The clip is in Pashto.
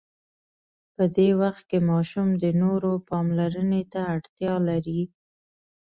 په دې وخت کې ماشوم د نورو پاملرنې ته اړتیا لري.